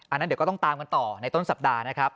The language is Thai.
อันนั้นเดี๋ยวก็ต้องตามกันต่อในต้นสัปดาห์นะครับ